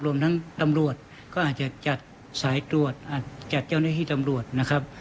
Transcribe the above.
รวมทั้งตำรวจก็อาจจะจัดสายตรวจจัดเจ้าหน้าที่ตำรวจนะครับ